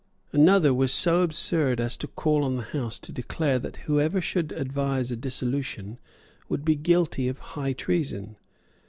Another was so absurd as to call on the House to declare that whoever should advise a dissolution would be guilty of high treason.